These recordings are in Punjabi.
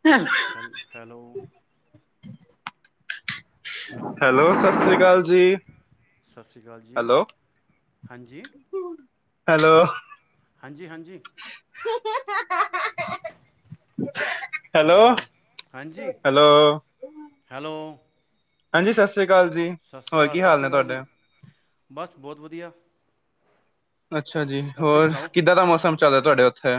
ਅੱਛਾ ਹੈਲ ਹੈਲੋ ਹੈਲੋ ਸਤਿ ਸ੍ਰੀ ਅਕਾਲ ਜੀ। ਸਤਿ ਸ੍ਰੀ ਅਕਾਲ ਜੀ। ਹਾਂਜੀ ਹੈਲੋ-ਹੈਲੋ ਹਾਂਜੀ-ਹਾਂਜੀ [inaudible] ਹੈਲੋ ਹਾਂਜੀ ਹੈਲੋ-ਹੈਲੋ ਹੈਲੋ ਹਾਂਜੀ ਸਤਿ ਸ਼੍ਰੀ ਅਕਾਲ ਜੀ ਸਤਿ ਸ਼੍ਰੀ ਹੋਰ ਅਕਾਲ ਕੀ ਸਤਿ ਹਾਲ ਸ਼੍ਰੀ ਨੇ ਅਕਾਲ ਜੀ ਤੁਹਾਡਾ ਬਸ ਬਹੁਤ ਵਧੀਆ ਅੱਛਾ ਜੀ ਆਪਣੀ ਹੋਰ ਸੁਣਾਓ ਕਿੱਦਾਂ ਦਾ ਮੌਸਮ ਚੱਲ ਰਿਹਾ ਤੁਹਾਡੇ ਉਥੇ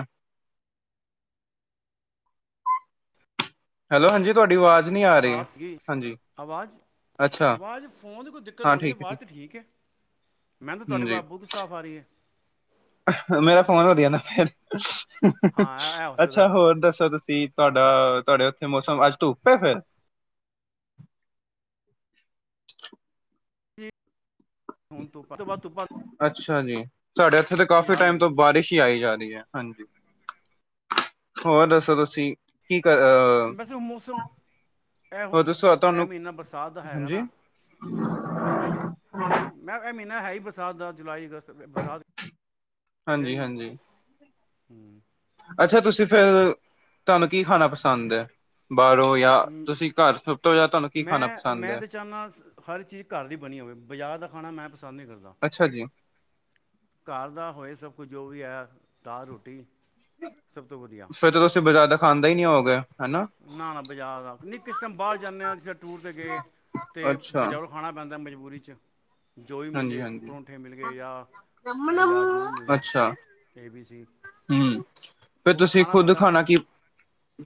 ਹੈਲੋ ਹਾਂਜੀ ਤੁਹਾਡੀ ਆਵਾਜ਼ ਨਹੀਂ ਆ ਰਹੀ ਸਾਸ [unintelligible] ਗੀ ਹਾਂਜੀ ਆਵਾਜ਼ ਅੱਛਾ ਆਵਾਜ਼ ਫੋਨ ਦੀ ਕੋਈ ਦਿੱਕਤ ਹਾਂ ਹੋਣੀ ਠੀਕ ਹੈ ਆਵਾਜ਼ ਤਾਂ ਠੀਕ ਹੈ ਮੈਨੂੰ ਤੁਹਾਡੀ ਬ ਹਾਂਜੀ ਬਿਲਕੁਲ ਸਾਫ਼ ਆ ਰਹੀ ਹੈ [inaudible] ਮੇਰਾ ਫੋਨ ਵਧੀਆ ਨਾ ਫਿਰ ਹਾਂ ਇਹ ਹੋ ਅੱਛਾ ਸਕਦਾ ਹੋਰ ਦੱਸੋ। ਤੁਹਾਡਾ ਤੁਹਾਡੇ ਉਥੇ ਮੌਸਮ ਅੱਜ ਧੁੱਪ ਹੈ ਫਿਰ ਜੀ, ਹੁਣ ਧੁੱਪ ਤੋਂ ਬਾਦ ਧੁੱਪ ਅੱਛਾ ਜੀ ਸਾਡੇ ਇੱਥੇ ਤਾਂ ਕਾਫੀ ਯਾਦ ਟਾਈਮ ਤੋਂ ਲੱਗਦੀ ਬਾਰਿਸ਼ ਹੀ ਆਈ ਜਾ ਰਹੀ ਹੈ ਹਾਂਜੀ। ਹੋਰ ਦੱਸੋ ਤੁਸੀਂ ਕੀ ਕਰ ਅ ਅਜ ਮੌਸਮ ਇਹ-ਇਹ ਤੁਹਾਨੂੰ ਮਹੀਨਾ ਬਰਸਾਤ ਦਾ ਹੈਗਾ ਹਾਂਜੀ ਨਾ। ਹਾਂਜੀ ਮੈਂ ਇਹ ਮਹੀਨਾ ਹੈ ਹੀ ਬਰਸਾਤ ਦਾ ਜੁਲਾਈ ਅਗਸਤ ਬਰਸਾਤ ਰਹਿਣੀ ਹੈ ਹਾਂਜੀ-ਹਾਂਜੀ, ਹੂੰ। ਅੱਛਾ ਤੁਸੀਂ ਫਿਰ ਤੁਹਾਨੂੰ ਕੀ ਖਾਣਾ ਪਸੰਦ ਹੈ। ਬਾਹਰੋਂ ਜਾਂ ਤੁਸੀਂ ਘਰ ਸਭ ਤੋਂ ਜਾਦਾ ਤੁਹਾਨੂੰ ਕੀ ਖਾਣਾ ਮੈਂ ਪਸੰਦ ਹੈ। [unintelligible] ਹਰ ਚੀਜ਼ ਘਰ ਦੀ ਬਣੀ ਹੋਵੇ ਬਜ਼ਾਰ ਦਾ ਖਾਣਾ ਮੈਂ ਪਸੰਦ ਨਹੀਂ ਕਰਦਾ। ਅੱਛਾ ਜੀ। ਘਰ ਦਾ ਹੋਏ ਸਭ ਕੁਝ ਜੋ ਵੀ ਹੈ ਦਾਲ ਰੋਟੀ ਸਭ ਤੋਂ ਵਧੀਆ ਫਿਰ ਤਾਂ ਤੁਸੀਂ ਬਜ਼ਾਰ ਦਾ ਖਾਂਦਾ ਹੀ ਨਹੀਂ ਹੋਓਗੇ। ਨਾ-ਨਾ ਬਜ਼ਾਰ ਦਾ ਨਹੀਂ ਕਿਸੇ ਟਾਇਮ ਬਾਹਰ ਜਾਨੇ ਹਾਂ ਜਿੱਸ ਤਰ੍ਹਾਂ ਟੂਰ ਤੇ ਗਏ ਤੇ ਅੱਛਾ, ਬਜ਼ਾਰੋਂ ਖਾਣਾ ਪੈਂਦਾ ਮਜ਼ਬੂਰੀ 'ਚ ਜੋ ਵੀ ਮਿਲ ਜਏ ਹਾਂਜੀ-ਹਾਂਜੀ, ਪਰੋਂਠੇ ਮਿਲ ਗਏ ਯਾ ਬਜ਼ਾਰ ਜੋ ਵੀ ਮਿਲਦਾ। ਅੱਛਾ ਕੇ ਬੀ ਸੀ ਹੂੰ ਫਿਰ ਤੁਸੀਂ ਖੁਦ ਖਾਣਾ ਕੀ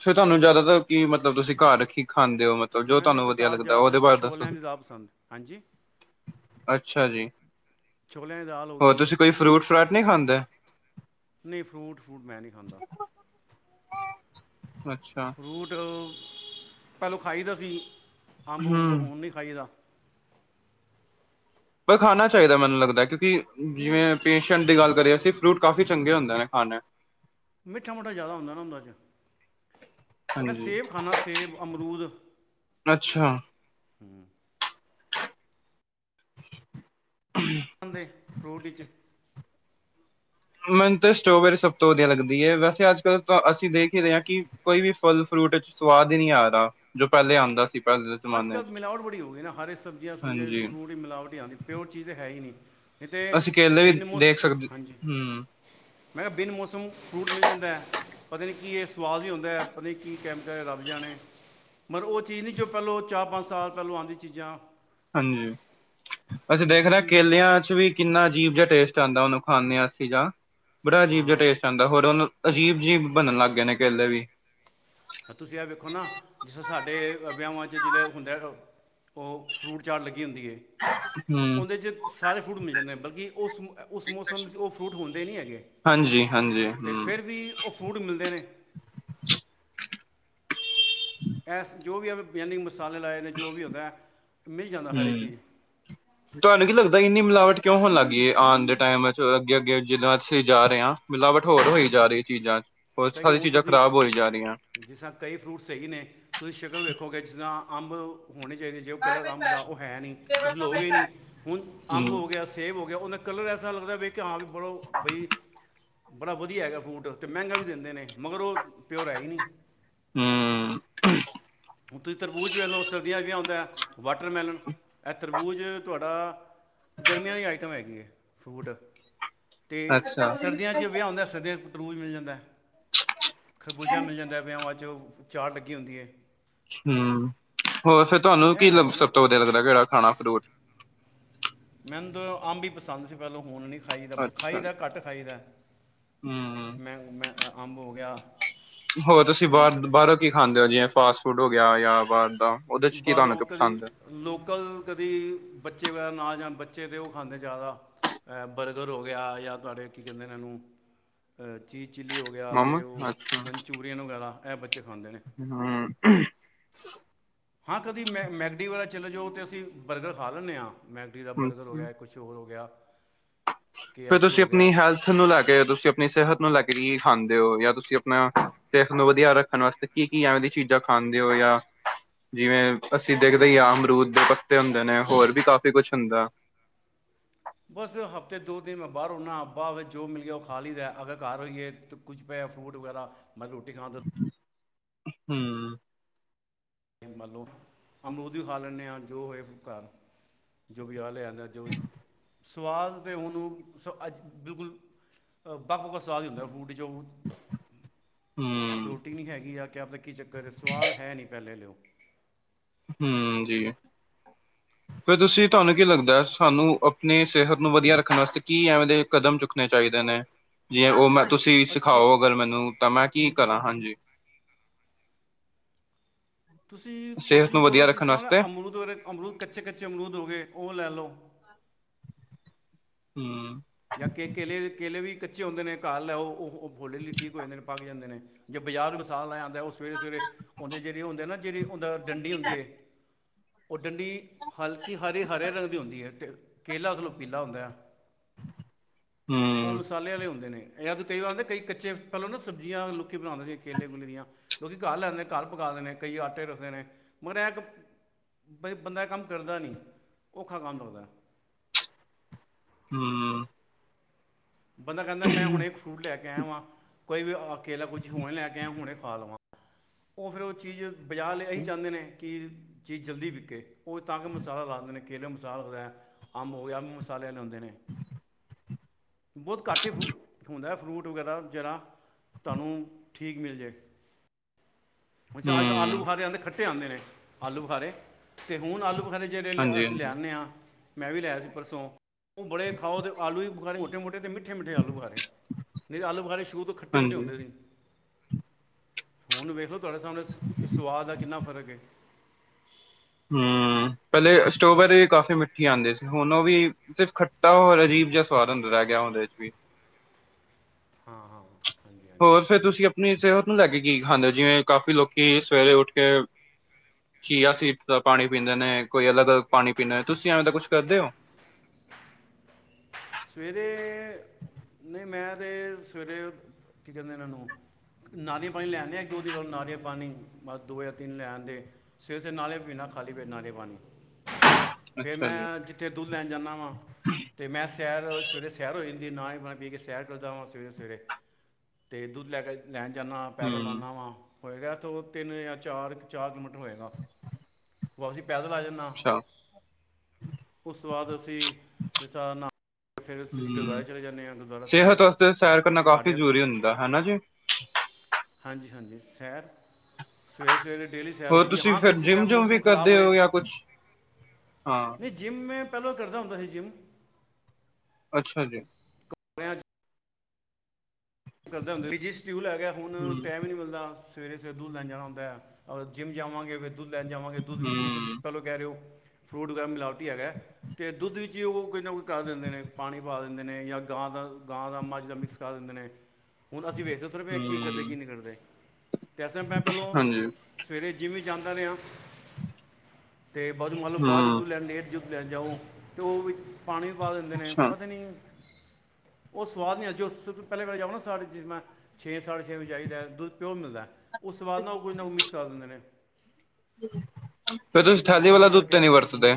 ਫਿਰ ਤੁਹਾਨੂੰ ਜਿਆਦਾ ਤਰ ਕੀ ਮਤਲਬ ਤੁਸੀਂ ਘਰ ਕੀ ਖਾਂਦੇ ਹੋ ਮਤ ਜੋ ਮੈਨੂੰ ਤੁਹਾਨੂੰ ਤਾਂ ਵਧੀਆ ਘਰ ਲੱਗਦਾ ਜ਼ਿਆਦਾ ਉਹਦੇ ਬਾਰੇ ਦੱਸੋ ਛੋਲਿਆਂ ਦੀ ਦਾਲ ਪਸੰਦ ਹਾਂਜੀ ਅੱਛਾ ਜੀ। ਛੋਲਿਆਂ ਦੀ ਦਾਲ। ਹੋ ਹੋਰ ਗਈ ਤੁਸੀਂ ਕੋਈ ਫਰੂਟ- ਫਰਾਟ ਨਹੀਂ ਖਾਂਦੇ? ਨਹੀਂ ਫਰੂਟ - ਫਰੂਟ ਮੈਂ ਨਹੀਂ ਖਾਂਦਾ। ਅੱਛਾ। ਫਰੂਟ ਪਹਿਲੋਂ ਖਾਈਦਾ ਸੀ। ਅੰਬ - ਉੰਬ ਹੂੰ। ਹੂੱਣ ਨਹੀਂ। ਚਾਹੀਦਾ। ਪਰ ਖਾਣਾ ਚਾਹੀਦਾ ਮੈਨੂੰ ਲੱਗਦਾ ਕਿਉਂਕਿ ਨਹੀਂ ਜਿਵੇਂ। ਪੇਸ਼ੈਂਟ ਦੀ ਗੱਲ ਕਰੀਏ [unintelligible] ਫਰੂਟ ਕਾਫੀ ਚੰਗੇ ਹੁੰਦੇ ਨੇ ਖਾਣੇ। ਮਿੱਠਾ - ਮੂੱਠਾ ਜ਼ਿਆਦਾ ਹੁੰਦਾ ਨਾ। ਉਹਨਾ ਚ ਮੈਂ ਹਾਂਜੀ। ਸੇਬ ਖਾਨਾ ਸੇਬ ਅਮਰੂਦ। ਅੱਛਾ। ਹਮ। । ਦੇ ਫਰੂਟ ਵਿੱਚ। ਮੈਨੂੰ ਤਾਂ ਸਟ੍ਰੋਬੇਰੀ ਸਭ ਤੋਂ ਵਧੀਆ ਲੱਗਦੀ ਹੈ। ਵੈਸੇ ਅੱਜ ਕੱਲ੍ਹ ਤਾਂ ਅਸੀਂ ਦੇਖ ਹੀ ਰਹੇ ਹਾਂ ਕਿ ਕੋਈ ਵੀ ਫੱਲ - ਫਰੂਟ ਚ ਸਵਾਦ ਈ ਨੀ ਆਰਾ ਜੋ ਪਹਿਲੇ ਆਂਦਾ ਸੀ। ਪਹਿਲੇ ਦੇ ਅੱਜ - ਜ਼ਮਾਨੇ ਕੱਲ੍ਹ 'ਚ, ਮਿਲਾਵਟ ਬੜੀ ਹੋ ਗਈ। ਨਾ ਹਰੇ ਸਬਜ਼ੀਆਂ ਸੁਬਜ਼ੀਆਂ ਹਾਂਜੀ। ਫਰੂਟ ਦੀ ਮਿਲਾਵਟਹੀ ਆਂ ਪਿਓਰ ਚੀਜ਼ ਤਾਂ ਹੈ ਹੀ ਨਹੀਂ। ਇੱਥੇ ਅਸੀਂ ਕੇਲੇ ਵੀ ਦੇਖ ਬਿਨਮੁਸਨ ਸਕਦੇ ਹਾਂਜੀ। ਹੂੰ, ਮੈਂ ਬਿਨ ਮੌਸਮ ਫਰੂਟ ਮਿਲ ਜਾਂਦਾ ਐ। ਪਤਾ ਨੀ ਕੀ ਇਹ ਸਵਾਦ ਈ ਹੁੰਦੈ ਪਤਾ ਨੀ। ਕੀ ਕੈਮ ਰੱਬ ਜਾਣੇ ਮਗਰ ਉਹ ਚੀਜ਼ ਨੀਂ ਚੁੱਪ ਪਹਿਲੋਂ ਚਾਰ ਪੰਜ ਸਾਲ ਪਹਿਲਾਂ ਆਂਦੀ ਚੀਜ਼ਾਂ। ਹਾਂਜੀ। ਅਸੀਂ ਹੁਣ ਦੇਖ ਤੁਸੀਂ ਰਹੇਾਂ ਤੁਸੀਂ ਵੇਖ ਕੇਲਿਆਂ ਚ ਵੀ। ਕਿੰਨਾ ਅਜੀਬ ਜਿਹਾ ਟੇਸਟ ਆਉਂਦਾ ਉਹਨੂੰ ਖਾੰਦੇ ਹਾਂ ਅਸੀਂ ਬੜਾ ਅਜੀਬ ਹਾਂ ਜਿਹਾ ਹਾਂ ਟੇਸਟ ਆਉਂਦਾ। ਹੋਰ ਉਹਨੂੰ ਅਜੀਬ ਅਜੀਬ ਬਣਨ ਲੱਗ ਗਏ ਨੇ [unintelligible] ਵੀ। ਤੁਸੀਂ ਆ ਵੇਖੋ ਨਾ ਜਿਸ ਸਾਡੇ ਵਿਆਹਾਂ ਜਿਹ ਹੁੰਦਾ। ਉਹ ਫਰੂਟ - ਚਾਟ ਲੱਗੀ ਹੁੰਦੀ ਹੇ। । ਉਹਦੇ ਚ ਸਾਰੇ ਫਰੂਟ ਮਿਲ ਜਾਂਦੇ ਨੇ। ਬਲਕਿ ਉਸ ਉਸ ਮੌਸਮ ਉਹ ਫਰੂਟ ਹੁੰਦੇ ਨਹੀਂ ਹੈਗੇ। ਹਾਂਜੀ ਹਮ। ਕਿ ਉਹ ਫੂਡ ਮਿਲਦੇ ਨੇ। । ਜੋ ਵੀਂ ਮਸਾਲੇ ਲਾਏ ਨੇ ਜੋ ਵੀ ਹੂੰਦਾ ਮਿਲ ਜਾਂਦਾ। ਹਰ ਇੱਕ ਹੂੰ। ਚੀਜ਼ ਤੁਹਾਨੂੰ ਕੀ ਲੱਗਦਾ। ਇੰਨੀ ਮਿਲਾਵਟ ਕਿਉਂ ਹੋਣ ਲੱਗਗੀਏ ਆਉਣ ਦੇ ਟਾਈਮ ਵਿੱਚ ਅੱਗੇ- ਅੱਗੇ ਜਿੱਦਾਂ ਅਸੀਂ ਜਾ ਰਹੇ ਹਾਂ। ਮਿਲਾਵਟ ਹੋਰ ਹੋਈ ਜਾ ਰਹੀ। ਚੀਜ਼ਾਂ ਚ ਹੋਰ ਪਤਾ ਕਿ ਸਾਰੀ ਹੁਣ ਚੀਜ਼ਾਂ ਤੁਸੀਂ ਖ਼ਰਾਬ ਹੋਈ ਜਾ ਰਹੀਆਂ। ਜਿਸ ਤਰ੍ਹਾਂ ਕਈ ਫਰੂਟ ਸਹੀ ਨੇ ਤੁਸੀਂ ਸ਼ਕਲ ਵੇਖੋਗੇ। ਜਿਸ ਤਰ੍ਹਾਂ ਅੰਬ ਹੋਣੇ ਚਾਹੀਦੇ। ਜੇ ਉਹ ਕਲਰ ਅੰਬ ਦਾ ਉਹ ਹੈ ਨਹੀਂ ਤੁਸੀਂ ਲਓਗੇ ਨਹੀਂ ਹੁਣ ਅੰਬ ਹੂੰ ਹੋ ਗਿਆ ਸੇਬ ਹੋ ਗਿਆ। ਉਹਨਾਂ ਕਲਰ ਐਸਾ ਲਗਦਾ ਬੀ ਕਿ ਹਾਂ [unintelligible] ਬਈ ਬੜਾ ਵਦੀਆ ਹੇਗਾ ਬੂਟ। ਮਹਿੰਗਾ ਵੀ ਦਿੰਦੇ ਨੇ। ਮਗਰ ਉਹ ਪਿਓਰ ਐ ਈ ਨੀ। ਹੂੰ। ਹੁਣ ਤੁਸੀਂ ਤਰਬੂਜ਼ ਵੇਖ ਲਓ ਸਰਦੀਆਂ ' ਵੀ ਆਉਂਦਾ। ਵਾਟਰਮੈਲਨ ਇਹ ਤਰਬੂਜ਼ ਤੁਹਾਡਾ। ਗਰਮੀਆਂ ਦੀ ਆਈਟਮ ਹੈਗੀ ਏ ਫਰੂਟ। ਤੇ ਅੱਛਾ ਸਰਦੀਆਂ 'ਚ ਵਿਆਹ ਹੁੰਦਾ ਸਰਦੀਆਂ। ' ਤਰੂਜ਼ ਮਿਲ ਜਾਂਦਾ। ਖਰਬੂਜ਼ਾ ਮਿਲ ਜਾਂਦਾ ਵਿਆਵਾਂ ਚ ਚਾਟ ਲੱਗੀ ਹੁੰਦੀ ਏ। ਹੂੰ ਹੋਰ। ਫਿਰ ਤੁਹਾਨੂੰ ਕੀ ਇਹ ਹੈਗਾ ਨਾ ਸਭ ਤੋਂ ਵਧੀਆ ਲੱਗਦਾ ਕਿਹੜਾ ਖਾਣਾ ਫਰੂਟ। ਮੈਨੂੰ ਤਾਂ ਅੰਬ ਈ ਪਸੰਦ ਸੀ ਪਹਿਲੋਂ ਹੁਣ ਨੀ। ਖਾਈ ਦਾ ਅੱਛਾ ਖਾਈਦਾ ਘੱਟ ਖਾਈਦਾ। ਹੂੰ ਮੈਂ - ਮੈਂ ਅੰਬ ਹੋ ਗਿਆ। ਹੋਰ ਤੁਸੀਂ ਬਾਹਰ - ਸੰਤਰੇ ਬਾਹਰੋਂ ਕੀ ਖਾਂਦੇ ਓ ਜਿਵੇ ਫਾਸਟ ਫੂਡ ਹੋ ਗਿਆ ਯਾਂ ਬਾਹਰ ਦਾ। ਉਹਦੇ ਚ ਕੀ ਤੁਹਾਨੂੰ ਬਾਹਰੋਂ ਕੀ ਕਦੀ। ਪਸੰਦ ਹੈ ਲੋਕਲ ਕਦੀ ਬੱਚੇ ਵਗੈਰਾ ਨਾ ਜਾਣ ਬੱਚੇ ਤੇ ਉਹ ਖਾਂਦੇ ਜਾਦਾ। ਏ ਬਰਗਰ ਹੋ ਗਿਆ ਜਾਂ ਤੁਹਾਡੇ ਕੀ ਕਹਿੰਦੇ ਨੇ ਓਹਨੂੰ। ਅ ਚੀਜ਼ ਚਿੱਲੀ ਹੋ ਗਿਆ ਤੇ। ਮੋਮੋਸ ਉਹ ਅੱਛਾ ਮਨਚੂਰੀਅਨ ਵਗੈਰਾ ਇਹ ਬੱਚੇ ਖਾਂਦੇ ਨੇ। ਹਾੰ। ਹਾਂ ਕਦੀ ਮੈ ਮੈਗਡੀ ਵਲ ਚਲੇ ਜਓ ਤੇ ਅਸੀਂ ਬਰਗਰ ਖਾ ਲੈੱਨੇ ਆਂ ਮੈਗਡੀ ਦਾ ਬਰਗਰ ਹੋ ਗਿਆ ਕੁੱਜ ਚੋਲ ਹੋ ਗਿਆ ਫਿਰ ਤੁਸੀ ਹੋ ਗਿਆ ਅਪਣੀ ਹੈਲਥ ਨੂੰ ਲੈ ਕੇ ਤੁਸੀ ਅਪਣੀ ਸਿਹਤ ਨੂੰ ਲੈ ਕੇ ਕੀ ਖਾਂਦੇ ਓ? ਜਾਂ ਤੁਸੀਂ ਆਪਣਾ ਸਿਹਤ ਨੂੰ ਵਧੀਆ ਰੱਖਣ ਵਾਸਤੇ ਕੀ-ਕੀ ਐਵੇਂ ਦੀ ਚੀਜ਼ਾਂ ਖਾਂਦੇ ਓ? ਯਾ ਜਿਵੇਂ ਅਸੀਂ ਦੇਖਦੇ ਹੀ ਆ ਅਮਰੂਦ ਦੇ ਪੱਤੇ ਹੁੰਦੇ ਨੇ ਹੋਰ ਵੀ ਕਾਫੀ ਕੁਛ ਹੁੰਦਾ। ਬਸ ਹਫ਼ਤੇ ਦੋ ਦਿਨ ਮੈਂ ਬਾਹਰ ਹੁਨਾ ਬਾਰ ਦਾ ਜੋ ਮਿਲ ਗਿਆ ਉਹ ਖਾਲੀ ਦੈ ਅਗਰ ਘਰ ਓਇਏ ਕੁਛ ਪਿਆ ਫਰੂਟ ਵਗੈਰਾ ਮ ਰੋਟੀ ਖਾਣ ਦਾ ਹੂੰ। ਮੰਨ ਲੋ ਅਮਰੂਦ ਵੀ ਖਾ ਲੈੱਨੇ ਆ, ਜੋ ਹੋਏ ਕਰ। ਜੋ ਵੀ ਆਹ ਲਿਆਦਾ ਜੋ, ਸਵਾਦ ਤਾਂ ਉਹਣੂੰ ਸ ਅੱਜ ਬਿਲਕੁਲ ਵੱਖ-ਵੱਖ ਸਵਾਦ ਈ ਹੁੰਦਾ ਫੂਡ ਚ ਉਹ ਹੂੰ ਰੋਟੀ ਨੀ ਹੈਗੀ ਆ ਕ ਆਪਦਾ ਕੀ ਚੱਕਰ ਸਵਾਦ ਹੈ ਨੀਂ ਪਹਿਲੇ ਲਿਓ ਹੂੰ ਜੀ। ਹੂੰ। [unintelligible] ਫਿਰ ਤੁਸੀਂ ਤੁਹਾਨੂੰ ਕੀ ਲੱਗਦੈ ਸਾਨੂੰ ਅਪਨੀ ਸਿਹਤ ਨੂੰ ਵਧੀਆ ਰੱਖਨ ਵਾਸਤੇ ਕੀ ਐਵੇਂ ਦੇ ਕਦਮ ਚੁੱਕਨੇ ਚਾਹੀਦੇ ਨੇ, ਜਿਵੇ ਉਹ ਮੈਂ ਤੁਸੀਂ ਅਸੀਂ ਕਿ ਸਿਖਾਓ ਅਗਰ ਮੈਨੂੰ ਤਾਂ ਮੈਂ ਕੀ ਕਰਾਂ? ਹਾਂਜੀ। ਤੁਸੀਂ ਸਿਹਤ ਕੋਸ਼ਿਸ਼ ਨੂੰ ਕਰੋ ਵਧੀਆ ਜਿਸ ਰੱਖਣ ਤਰ੍ਹਾਂ ਨਾ ਵਾਸਤੇ ਅਮਰੂਦ ਵਗੈ ਅਮਰੂਦ ਕੱਚੇ ਕੱਚੇ ਅਮਰੂਦ ਹੋ ਗਏ, ਉਹ ਲੈ ਲਓ। ਹੁੰ। ਜਾਂ ਕੇ ਕੇਲੇ ਕੇਲੇ ਵੀ ਕੱਚੇ ਹੁੰਦੇ ਨੇ ਘਾਲ ਲ ਹੈ ਉਹ ਫੋਲੇੇ ਲਈ ਠੀਕ ਹੋ ਜਾਂਦੇ ਨੇ ਪਗ ਜਾਂਦੇ ਨੇ। ਜੇ ਬਜ਼ਾਰ ਮਸਾਲ ਲੇ ਆਂਦਾ ਉਹ ਸਵੇਰੇ-ਸਵੇਰੇ, ਉਹਦੇ ਜਹੜੇ ਹੁੰਦੇ ਨਾ ਜਿਵੇਂ ਹੁੰਦਾ ਡੰਡੀ ਹੁੰਦੀ ਏ, ਉਹ ਡੰਡੀ ਹਲਕੀ ਹ ਹਰੇ ਰੰਗ ਦੀ ਹੁੰਦੀ ਏ। ਕੇਲਾ ਥੋੜਾ ਪੀਲਾ ਹੁੰਦੈ। ਹੂੰ। ਉਹ ਮਸਾਲੇ ਆਲੇ ਹੁੰਦੇ ਨੇ, ਜਦ ਕਈ ਵਾਰਦੇ ਕਈ ਕੱਚੇ ਪਹਿਲੋ ਨਾ ਸਬਜ਼ੀਆਂ [unintelligible] ਕੇਲੇ ਕੁਲੇ ਦੀਆਂ ਲੋਕੀ ਘਰ ਲੈਂਦੇ ਨੇ ਕਰ ਪਕਾਲੇਂ ਨੇ ਕਈ ਆਟੇ ਰੱਖਦੇ ਨੇ, ਮਗਰ ਇਹ ਇੱਕ ਬਈ ਬੰਦਾ ਇਹ ਕੰਮ ਕਰਦਾ ਨੀ, ਔਖਾ ਕੰਮ ਲੱਗਦਾ। ਹੂੰ। ਬੰਦਾ ਕਹਿੰਦਾ ਮੈਂ ਹੁਣੇ ਫਰੂਟ ਲੈ ਕੇ ਆਇਆ ਵਾਂ ਕੋਈ ਵੀ ਅਕੇਲਾ ਕੁਝ ਹੁਣੇ ਲੈ ਕੇ ਆਇਆ ਹੁਣੇ ਖਾ ਲਵਾਂ। ਉਹ ਫਿਰ ਉਹ ਚੀਜ਼ ਬਜ਼ਾਰ ਅਲੇ ਇਹੀ ਚਾਂਦੇ ਨੇ। ਕਿ ਚੀਜ਼ ਜਲਦੀ ਵਿਕੇ, ਉਹ ਤਾਂ ਕਿ ਮਸਾਲਾ ਲਾਦੇ ਨੇ ਕੇਲੇ ਮਸਾਲਾ ਹੋਦਾ ਅੰਬ ਹੋ ਗਿਆ ਮਸਾਲੇ ਵਾਲੇ ਹੁੰਦੇ ਨੇ। ਬਹੁਤ ਘੱਟ ਹੀ ਫੂ ਹੁੰਦਾ ਫਰੂਟ ਵਗੈਰਾ ਜਿਹੜਾ ਤਾਂਨੂੰ ਠੀਕ ਮਿਲ ਜਵੇ। ਹ ਅਜ ਕ ਹੂੰ ਆਲੂਬਖਾਰੇ ਆਂਦੇ ਖੱਟੇ ਆਂਦੇ ਨੇ, ਆਲੂਬਖਾਰੇ। ਅਤੇ ਹੁਣ ਆਲੂ ਬਖਾਰੇ ਜਿਹੜੇ ਲ ਹਾਂਜੀ ਅਸੀਂ ਹਾਂਜੀ ਲਿਆਂਨੇਂ ਆਂ ਮੈਂ ਵੀ ਲਿਆਯਾ ਸੀ ਪਰਸੋਂ। ਉਹ ਬੜੇ ਖਾਓ ਅਤੇ ਆਲੂ ਵੀ ਬਖਾਣੇ ਮੋਟੇ ਮੋਟੇ ਅਤੇ ਮਿੱਟੀ ਮਿੱਠੇ ਮਿੱਠੇ ਆਲੂਬਖਾਰੇ, ਨਹੀਂਤੇ ਆਲੂਬਖਾਰੇ ਸ਼ੁਰੂ ਤੋਂ ਖੱਟੇ ਖੱਟੇ ਹਾਂਜੀ ਹੁੰਦੇ ਨੇ। ਹੁਨ ਵੇਖ ਲਓ ਤੁਹਾਡੇ ਸਾਹਮਣੇ ਸੁਵਾਦ ਦਾ ਕਿੰਨਾ ਫ਼ਰਕ ਏ। ਹੁੰ, ਪਹਿਲੇ ਸਟੋਬੈਰੀ ਕਾਫ਼ੀ ਮਿੱਠੀ ਆਂਦੀ ਸੀ ਹੁਣ ਉਹ ਵੀ ਸਿਰਫ਼ ਖੱਟਾ ਹੋਰ ਅਜੀਬਜੇਆ ਸਵਾਦ ਹੁੰਦਾ ਰਹਿ ਗਿਆ ਉਹਦੇ ਚ ਵੀ। ਹਾਂ ਹਾਂ। ਹਾਂਜੀ ਹਾਂਜੀ ਹੋਰ ਫਿਰ ਤੁਸੀਂ ਅਪ ਆਪਣੀ ਸਿਹਤ ਨੂੰ ਲੈ ਕੇ ਕੀ ਖਾਂਦੇ ਜਿਵੇਂ ਕਾਫ਼ੀ ਲੋਕੀ ਸਵੇਰੇ ਉੱਠ ਕੇ ਚੀਆ ਸੀਡ ਪਾਣੀ ਪੀਂਦੇ ਨੇ ਕੋਈ ਅਲੱਗ ਅਲੱਗ ਪਾਣੀ ਪੀਂਦੇ ਨੇ ਤੁਸੀਂ ਐਵੇਂ ਤਾਂ ਕੁੱਛ ਕਰਦੇ ਓ? ਸਵੇਰੇ ਨਈਂ ਮੈਂ ਤੇ ਸਵੇਰੇ ਕੀ ਕੈਂਦੇ ਨੇ ਏਨੂ? ਨਾਰੀਲ ਪਾਣੀ ਲੈਆਂਨੇ ਆਂ ਇਕ ਅੱਧੀ ਵਾਰੀ ਨਾਰੀਲ ਪਾਣੀ, ਬਸ ਦੋ ਯਾ ਤਿੰਨ ਲੇਆਂਦੇ। ਸੇਰ ਸਿਰ ਨਾਲੇ ਪਿਨਾ ਖਾਲੀ ਪੇਟ ਨਾਰੀਅਲ ਪਾਣੀ ਫਿਰ ਅੱਛਾ ਜੀ ਮੈਂ, ਜਿੱਥੇ ਦੁੱਧ ਲੈਣ ਜਾਂਦਾ ਵਾ ਤੇ ਮੈਂ ਸੈਰ ਸਵੇਰੇ ਸੈਰ ਹੋ ਜਾਂਦੀ ਨਾ ਹੀ ਮ ਪੀ ਕੇ ਸੈਰ ਕਰਦਾਾਂ ਸਵੇਰੇ, ਸਵੇਰੇ। ਤੇ ਦੁੱਧ ਲੈ ਕੇ ਲੈਣ ਜਾਂਨਾ, ਪੈਦਲ ਹੂੰ ਆਨਾ ਵਾ ਹੋਏਗਾ ਏਥੋਂ ਤਿੰਨ ਜਾਂ ਚਾਰ, ਚਾਰ ਕਿਲੋਮੀਟਰ ਹੋਏਗਾ। ਵਾ [unintelligible] ਅਸੀਂ ਪੈਦਲ ਆ ਜਾਂਦ ਅੱਛਾ। ਉਸ ਤੋਂ ਬਾਅਦ ਅਸੀਂ ਜਿਸ ਤਰ ਨਾ ਫਿਰ ਅਸੀਂ ਹੂੰ ਗੁਰਦੁਆਰੇ ਚਲੇ ਜਾਂਦੇ ਹਾਂ ਗੁਰਦੁਆਰਾ ਸਾਹਿਬ ਸਿਹਤ ਵਾਸਤੇ ਸੈਰ ਕਰਨਾ ਕਾਫ਼ੀ ਸਾਡੇ ਜ਼ਰੂਰੀ ਹੁੰਦਾ ਹਨਾ ਜੀ ਹਾਂਜੀ, ਹਾਂਜੀ ਸੈਰ ਸਵੇਰੇ, ਸਵੇਰੇ ਡੇਲੀ ਸੈਰ ਹੋਰ ਹੁੰਦੀ ਤੁਸੀਂ ਹਾਂ ਫਿਰ ਕਿਸੇ ਜਿੰਮ ਟਾਈਮ ਜੁਮ ਵੀ ਮੌਸਮ ਖਰਾਬ ਕਰਦੇ ਹੋਏ ਹੋ ਜਾਂ ਕੁਛ ਹਾਂ ਨਹੀਂ ਜਿੰਮ ਮੈਂ, ਪਹਿਲਾਂ ਕਰਦਾ ਹੁੰਦਾ ਸੀ ਜਿੰਮ ਅੱਛਾ ਜੀ। ਬਿਆ ਚ [unintelligible] ਕਰਦੇ ਹੁੰਦੇ ਸੀ ਜੀ ਸ਼ਡਿਊਲ ਹੈਗਾ ਹੁਣ ਹੂੰ ਟਾਈਮ ਨੀ ਮਿਲਦਾ। ਸਵੇਰੇ, ਸਵੇਰੇ ਦੁੱਧ ਲੈਣ ਜਾਣਾ ਹੁੰਦਾ ਹੈ ਔਰ ਜਿਮ ਜਾਵਾਂਗੇ ਫਿਰ ਦੁੱਧ ਲੈਣ ਜਾਵਾਂਗੇ ਦੁੱਧ ਵਿੱਚ ਤੁਸੀ ਹੂੰ ਕਹਿ ਲਓ ਕਹਿ ਰਹੇ ਓ ਫਰੂਟ ਵਗ਼ੈਰਾ ਮਿਲਾਵਟੀ ਹੈਗਾ ਤੇ ਦੁੱਧ ਵਿੱਚ ਵੀ ਓ ਕੁਜ ਨਾ ਕੁਜ ਕਰ ਦਿੰਦੇ ਨੇ ਪਾਣੀ ਪਾ ਦਿੰਦੇ ਦਿੰਦੇ ਨੇ ਜਾਂ ਗਾਂ ਦਾ, ਗਾਂ ਦਾ, ਮੱਝ ਦਾ ਮਿਕਸ ਕਰ ਦਿੰਦੇ ਨੇ। ਹੁਣ ਅਸੀਂ ਵੇਖਦੇ ਥੋੜ੍ਹੇ ਪਏ ਕੀ ਕਰਦੇ ਹੂੰ ਕੀ ਨਹੀਂ ਕਰਦੇ ਅਤੇ ਇਸ ਟਾਈਮ ਮੈਂ ਪਹਿਲੋਂ ਹਾਂਜੀ ਸਵੇਰੇ ਜਿਮ ਵੀ ਜਾਂਦਾ ਰਿਹਾ ਅਤੇ ਬਾਦੂ ਮਤਲੱਬ ਲਓ ਬਾਅਦ ਹੂੰ ਦੁੱਧ ਲੈਣ ਲੇਟ ਜਾਂ ਲੈਣ ਜਾਓ ਅਤੇ ਉਹ ਵਿੱਚ ਪਾਣੀ ਵੀ ਪਾ ਦਿੰਦੇ ਨੇ ਅੱਛਾ ਪਤਾ ਨੀ ਉਹ ਸੁਵਾਦ ਨਹੀਂ ਓਸ ਚ ਸ ਤੋਂ ਪਹਿਲੇ ਪਹਿਲੇ ਜਾਓ ਨਾ ਸਾਰੇਾ ਚਿਸਜ਼ਾਂ [unintelligible] ਛੇ ਸਾਡੇ ਛੇ, ਜਾਈਦਾ ਦੱਧ ਪਿਓਰ ਮਿਲਦਾ। ਉਸ ਤੋਂ ਵਾਦ ਨਾ ਉਹ ਕੋਈ ਨਾ ਕੋ ਮਿਕਸ ਕਰ ਦਿੰਦੇ ਨੇ। ਫੇਰ ਜੇ ਤੁਸੀਂ ਥੈਲ਼ੀ ਵਾਲਾ ਫੂਡ ਦੁੱਧ ਕਹਿ ਤਾ ਨੀ ਰਹੇ ਸੀ ਫੂਡ ਵਰਤਦੇ?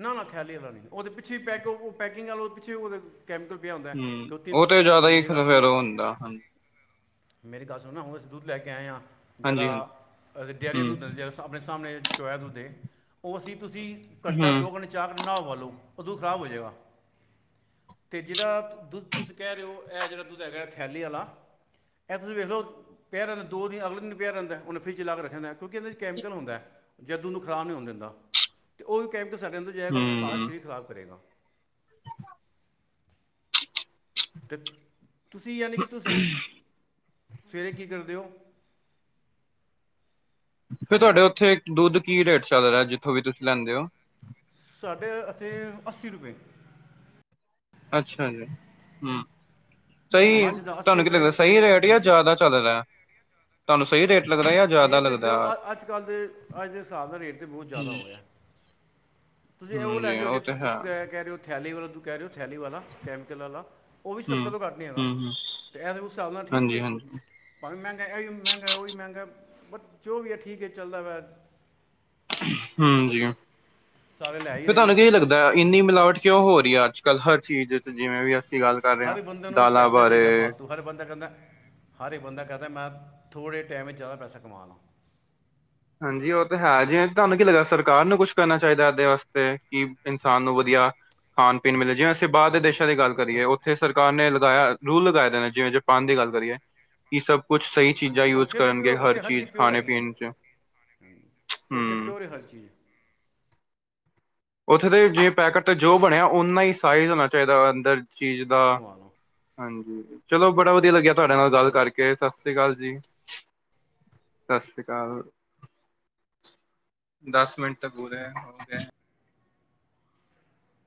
ਨਾ, ਨਾ ਥੈਲੀ ਵਾਲਾ ਨਹੀਂ ਓਂ ਤੇ ਪਿੱਛੇ ਈ ਪੈਕ ਹੋ ਪੈਕਿੰਗ ਵਾਲਾ ਪਿੱਛੇ ਕੈਮੀਕਲ ਪਿਆ ਹੁੰਦਾ ਹਮ ਕਿਉਂਕਿ ਉਹ ਤੇ ਜ਼ਿਆਦਾ ਹੀ ਮੇਰੀ ਫਿਰ ਗੱਲ ਸੁਣੋ ਉਹ ਹੁੰਦਾ ਹਾਂਜੀ ਮੇਰੀ ਗੱਲ ਸੁਣ ਨਾ ਹੁਣ ਅਸੀਂ ਦੁੱਧ ਲੈ ਕੇ ਆਏ ਹਾਂ ਹਾਂਜੀ ਜ਼ਿੜਾ ਡੇਅਰੀਆਂ ਹਮ ਦੁੱਧ ਜਿ ਸਾਮਣੇ, ਸਾਮਣੇ ਚੋਇਆ ਦੁੱਧ ਏ ਉਹ ਅਸੀਂ ਤੁਸੀਂ ਘੰਟਾ ਹਮ ਦੋ ਘੰਟੇ ਚਾਕ ਨਾ ਉਬਾਲੋ ਓਂ ਦੁੱਧ ਖਰਾਬ ਹੋ ਜੇਗਾ ਤੇ ਜਿਦਾ ਦੁੱਧ ਤੁਸੀਂ ਕਹਿ ਰਹੇ ਹੋ ਏ ਜਿਹੜਾ ਦੁੱਧ ਹੈਗਾ ਥੈਲੀ ਵਾਲਾ ਇਹੱ ਤੁਸੀਂ ਵੇਖ ਲੋ ਪਿਆ ਰੇਂਦਾ ਦੋ ਦਿ ਅਗਲੇ ਦਿਨ ਵੀ ਪਿਆ ਰਹਿੰਦਾ ਓਨੇ ਫਰਿਜ ਚ ਲਾ ਕੇ ਰੱਖਿਆ ਹੂੰਦਾ। ਕਿਉਂਕਿ ਇਹਦੇ ਚ ਕੈਮੀਕਲ ਹੁੰਦਾ ਜੋ ਉਹਨੂੰ ਖਰਾਬ ਨਹੀਂ ਹੋ ਦਿੰਦਾ ਅਤੇ ਉਹ ਵੀ ਕੈਮੀਕਲ ਸਾਡੇ ਹੈਗਾ ਉਹ ਸਾਰਾ ਹਮ ਸਰੀਰ ਖਰਾਬ ਕਰੇਗਾ। ਤੇ ਤੁਸੀਂ ਯਾਨੀ ਕਿ ਤੁਸੀਂ ਸਵੇਰੇ ਕੀ ਕਰਦੇ ਹੋ? ਫਿਰ ਹੈਲੋ ਤੁਹਾਡੇ ਉੱਥੇ ਦੁੱਧ ਕੀ ਰੇਟ ਚੱਲ ਰਿਹਾ ਜਿੱਥੋਂ ਵੀ ਤੁਸੀਂ ਲੈਂਦੇ ਹੋ? ਸਾਢੇ ਅਥੇ ਅੱਸੀਂ ਰੁਪਏ। ਅੱਛਾ ਜੀ ਹੁੰ ਸਹੀ ਏ ਮੱਝ ਦਾ ਤੁਹਾਨੂੰ ਕੀ ਰੁਪਏ ਲੱਗਦਾ? ਤੇ ਸਹੀ ਰੇਟ ਜਾਂ ਹਾਂਜੀ ਜ਼ਿਆਦਾ ਚਲ ਰਹਿ। ਤੁਹਾਨੂੰ ਸਹੀ ਰੇਟ ਲੱਗਦਾ ਜਾਂ ਰੇਟ ਲੱਗਦਾ ਜੋ ਅੱਜ ਕੱਲ੍ਹ ਦੇ ਅੱਜ ਦੇ ਹਿਸਾਬ ਦਾ ਰੇਟ ਤਾਂ ਬਹੁਤ ਜ਼ਿਆਦਾ ਹੋ ਗਿਆ। ਤੁਸੀਂ ਓਂ ਹਮ ਲੈ ਜੀ ਜਾਓ ਜੇ ਉਹ ਤੇ ਤੁ ਹੈ ਕਹਿ ਰਹੇ ਹੋ ਥੈਲੀ ਵਾਲਾ ਤੂੰ ਕਹਿ ਰਹੇ ਹੋ ਥੈਲੀ ਵਾਲਾ ਕੈਮੀਕਲ ਵਾਲਾ। ਓਂ ਵੀ ਸੱਤਰ ਹਮ ਤੋਂ ਘੱਟ ਨਹੀਂ ਹੈਗਾ ਹਮ ਹਮ ਤੇ ਐ ਉਸ ਹਿਸਾਬ ਨਾਲ ਠੀਕ ਹਾਂਜੀ ਹੈ। ਹਾਂਜੀ ਭਾਵੇਂ ਮਹਿੰਗਾ ਇਵੀ ਮਹਿੰਗਾ, ਓਵੀ ਮਹਿੰਗਾ ਪਰ ਜੋ ਵੀ ਹੈ ਠੀਕ ਏ ਚੱਲਦਾ ਵੈ। ਹੁੰ ਜੀ, ਸਾਰੇ ਲੈ ਹੀ ਫ਼ੇ ਰਹੇ ਨੇ ਤੁਹਾਨੂੰ ਕੀ ਲੱਗਦਾ? ਤਾ ਇੰਨੀ ਮਿਲਾਵਟ ਕਿਉਂ ਹੋ ਰਹੀ ਹੈ ਅੱਜ ਕੱਲ੍ਹ ਹਰ ਚੀਜ਼ ਵਿੱਚ ਜਿਵੇਂ ਵੀ ਆ ਕੀ ਗੱਲ ਕਰ ਰਹੇ ਹਾਂ, ਹਰ ਬੰਦੇ ਨੂੰ ਦਾਲਾਂ ਪੈਸਾ ਚਾਹੀਦਾ ਬਾਰੇ। ਹਰ ਬੰਦਾ ਕਹਿੰਦਾ ਹਰ ਇੱਕ ਬੰਦਾ ਕਹਿੰਦਾ ਮੈਂ ਥੋੜ੍ਹੇ ਟਾਈਮ ਚ ਜ਼ਿਆਦਾ ਪੈਸਾ ਕਮਾ ਲਾਂ। ਹਾਂਜੀ, ਉਹ ਤਾਂ ਹੈ ਜੇ ਤੁਹਾਨੂੰ ਕੀ ਲੱਗਦਾ ਸਰਕਾਰ ਨੂੰ ਕੁਛ ਕਰਨਾ ਚਾਹੀਦਾ ਇਹਦੇ ਵਾਸਤੇ ਕਿ ਇਨਸਾਨ ਨੂੰ ਵਧੀਆ ਖਾਣ, ਪੀਣ ਮਿਲ ਜਿ ਬਾਹਰ ਦੇ ਹਾਂਜੀ ਦੇਸ਼ਾਂ ਦੀ ਸਰ ਗੱਲ ਸਰ ਕਰੀਏ ਉੱਥੇ ਸਰਕਾਰ ਨੇ ਲਗਾਇਆ ਰੂਲ ਲਗਾਏ ਦੇ ਨੇ ਜਿਵੇਂ ਜਪਾਨ ਦੀ ਗੱਲ ਕਰੀਏ। ਕੀ ਸਭ ਕੁਛ ਸਹੀ ਚੀਜ਼ਾਂ ਹਾਂਜੀ ਯੂਜ ਉੱਥੇ ਤੇ ਕਰਨਗੇ ਹਰ ਚੀਜ਼, ਖਾਣੇ-ਪੀਣ'ਚ। ਹੂ ਉੱਥੇ ਪਿਓਰ ਏ, ਹਰ ਚੀਜ਼। ਉੱਥੇ ਦੇ ਇਹ ਜਿਵੇਂ ਪੈਕੇਟ ਤੇ ਜੋ ਬਣਿਆ, ਓਹਨਾ ਹੀ ਸਾਈਜ਼ ਹੋਣਾ ਚਾਹੀਦਾ ਅੰਦਰ ਚੀਜ਼ ਦਾ। ਕਮਾ ਲਾਂ ਹਾਂਜੀ, ਚਲੋ ਬੜਾ ਵਧੀਆ ਲੱਗਿਆ ਤੁਹਾਡੇ ਨਾਲ ਗੱਲ ਹੈਲੋ ਕਰਕੇ ਸਤਿ ਸ੍ਰੀ ਅਕਾਲ ਜੀ। ਸਤਿ ਸ੍ਰੀ ਅਕਾਲ। ਦੱਸ ਮਿੰਟ ਪੁਰੇ ਹੋਗੇ।